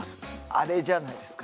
アレじゃないですか？